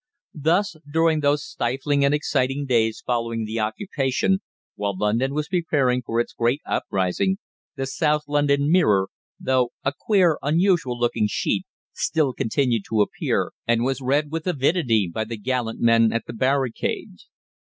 Thus, during those stifling and exciting days following the occupation, while London was preparing for its great uprising, the "South London Mirror," though a queer, unusual looking sheet, still continued to appear, and was read with avidity by the gallant men at the barricades.